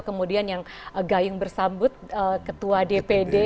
kemudian yang gayung bersambut ketua dpd